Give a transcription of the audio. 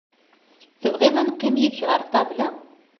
Tebɣiḍ ad neqqim yid-k ɣer ṭabla?